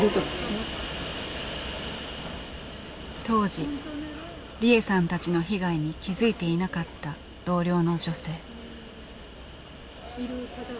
当時利枝さんたちの被害に気付いていなかった同僚の女性。